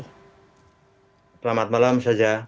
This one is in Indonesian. selamat malam saja